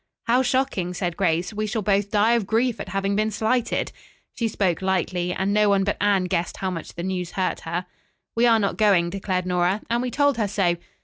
"How shocking!" said Grace. "We shall both die of grief at having been slighted." She spoke lightly, and no one but Anne guessed how much the news hurt her. "We are not going," declared Nora, "and we told her so."